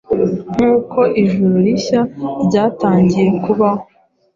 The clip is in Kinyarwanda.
Nkuko ijuru rishya ryatangiye kubaho,